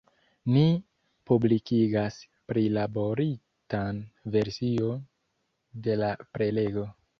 Ni publikigas prilaboritan version de la prelego.